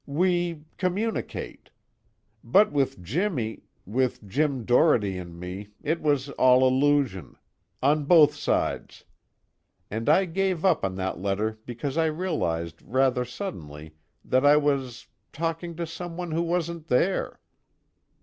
We communicate. But with Jimmy with Jim Doherty and me it was all illusion. On both sides. And I gave up on that letter because I realized rather suddenly that I was talking to someone who wasn't there."